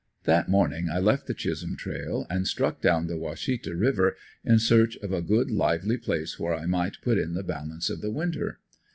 That morning I left the Chisholm trail and struck down the Washita river, in search of a good, lively place where I might put in the balance of the winter.